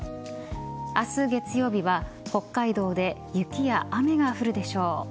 明日、月曜日は北海道で雪や雨が降るでしょう。